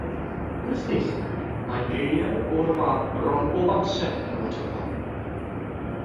Yn Saesneg, mae geiriau o'r fath bron bob amser yn enwau torfol.